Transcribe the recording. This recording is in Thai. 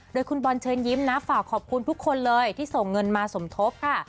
โดยคุณบอลเชิญยิ้มนะฝากขอบคุณทุกคนเลยที่ส่งเงินมาสมทบค่ะ